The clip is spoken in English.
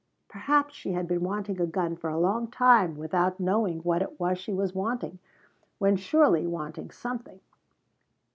Perhaps she had been wanting a gun for a long time without knowing what it was she was wanting when surely wanting something.